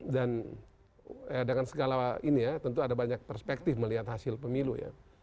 dan dengan segala ini ya tentu ada banyak perspektif melihat hasil pemilu ya